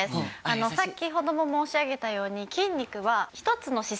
先ほども申し上げたように。